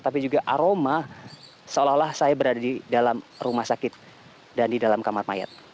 tapi juga aroma seolah olah saya berada di dalam rumah sakit dan di dalam kamar mayat